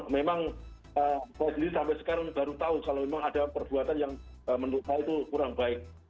memang saya sendiri sampai sekarang baru tahu kalau memang ada perbuatan yang menurut saya itu kurang baik